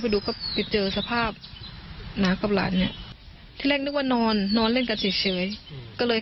ดูก็ไปเจอสภาพหนากับหลานเนี่ยที่แรกนึกว่านอนนอนเล่นกันเฉยก็เลย